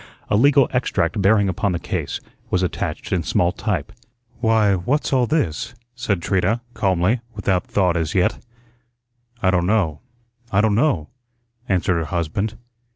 A legal extract bearing upon the case was attached in small type. "Why, what's all this?" said Trina, calmly, without thought as yet. "I don' know, I don' know," answered her husband.